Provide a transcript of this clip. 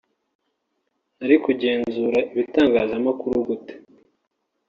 nari kugenzura ibitangazamakuru gute